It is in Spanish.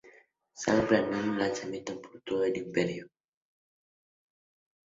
Zhang planeó un alzamiento por todo el imperio.